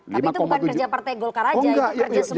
tapi itu bukan kerja partai golkar saja